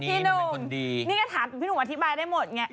นี่ก็ถามพี่หนุ่มอธิบายได้หมดไง